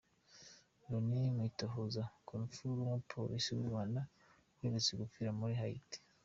Loni mu itohoza ku rupfu rw’umupolisi w’u Rwanda uherutse gupfira muri Hayiti